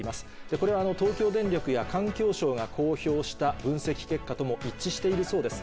これは東京電力や環境省が公表した分析結果とも一致しているそうです。